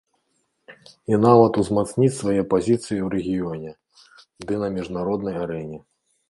І нават узмацніць свае пазіцыі ў рэгіёне ды на міжнароднай арэне.